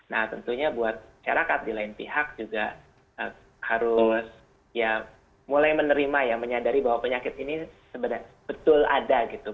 nah tentunya buat syarakat di lain pihak juga harus ya mulai menerima ya menyadari bahwa penyakit ini betul ada gitu